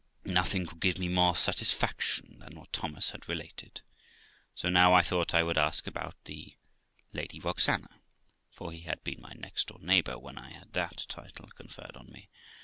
Nothing could give me more satisfaction than what Thomas had related ; so now, I thought I would ask about the Lady Roxana (for he had been my nextdoor neighbour when I had that title conferred on me).